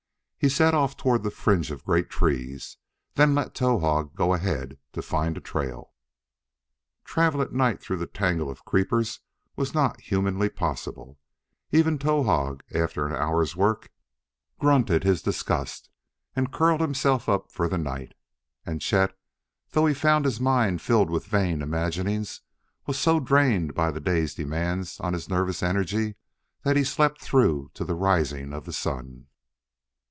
He set off toward the fringe of great trees, then let Towahg go ahead to find a trail. Travel at night through the tangle of creepers was not humanly possible. Even Towahg, after an hour's work, grunted his disgust and curled himself up for the night. And Chet, though he found his mind filled with vain imaginings, was so drained by the day's demands on his nervous energy that he slept through to the rising of the sun.